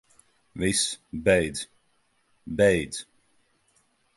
Viss, beidz. Beidz.